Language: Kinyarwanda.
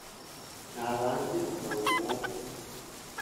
nabanze mugabo mu nka